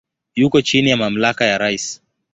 Yuko chini ya mamlaka ya rais.